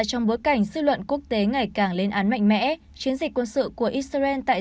trong bối cảnh dư luận quốc tế ngày càng lên án mạnh mẽ chiến dịch quân sự của israel tại